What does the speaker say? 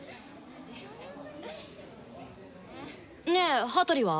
ねえ羽鳥は？